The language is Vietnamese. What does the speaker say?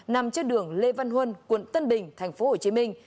nằm trên đường lê văn huân quận tân bình tp hcm